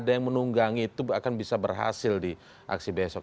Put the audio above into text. ada yang menunggangi itu akan bisa berhasil di aksi besok